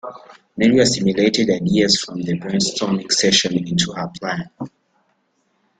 Mary assimilated ideas from the brainstorming session into her plan.